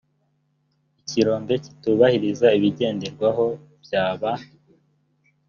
ikirombe kitubahiriza ibigenderwaho byaba